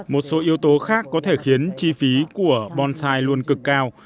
một số yếu tố khác có thể khiến chi phí của bonsai luôn cực cao